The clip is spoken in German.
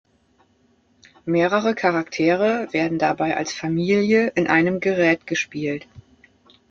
Mehrere Charaktere werden dabei als „Familie“ in einem Gerät gespielt.